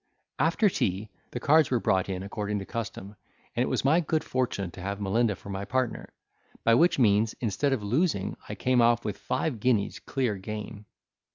After tea, the cards were brought in according to custom, and it was my good fortune to have Melinda for my partner; by which means, instead of losing, I came off with five guineas clear gain.